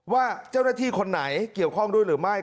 ว่าเจ้าหน้าที่คนไหนเกี่ยวข้องด้วยหรือไม่